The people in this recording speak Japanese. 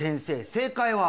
正解は？